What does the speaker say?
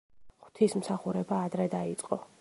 ღვთისმსახურება ადრე დაიწყო.